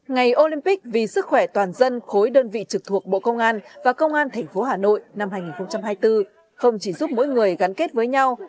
ngày olympic vì sức khỏe toàn dân khối đơn vị trực thuộc bộ công an và công an tp hà nội năm hai nghìn hai mươi bốn không chỉ giúp mỗi người gắn kết với nhau